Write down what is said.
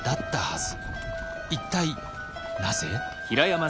一体なぜ？